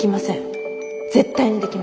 絶対にできません。